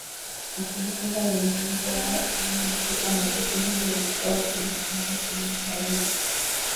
na kujifunza uimbaji wake Ama hakika muziki huu ulikuwa ukinishangaza sana Kwa wengi pia